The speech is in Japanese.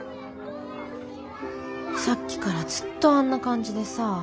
さっきからずっとあんな感じでさ。